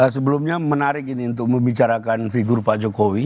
sebelumnya menarik ini untuk membicarakan figur pak jokowi